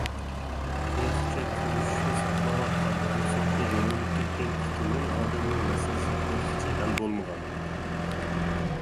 تېخىچە كۆرۈشۈشنى ساقلاۋاتقان ھەم سوتقا يوللىنىپ كەتكەن ئىككى مىڭ ئادەمنىڭ مەسىلىسى تېخىچە ھەل بولمىغان.